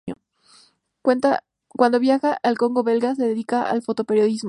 Cuando viaja al Congo belga, se dedica al fotoperiodismo.